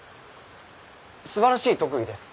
すばらしい特技です。